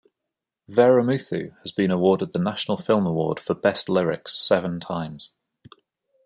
Vairamuthu has been awarded the National Film Award for Best Lyrics seven times.